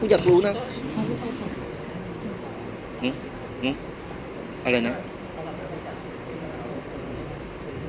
พี่อัดมาสองวันไม่มีใครรู้หรอก